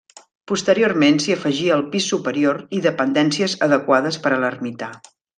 Posteriorment s'hi afegí el pis superior i dependències adequades per a l'ermità.